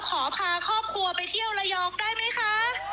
ขอพาครอบครัวไปเที่ยวระยองได้ไหมคะ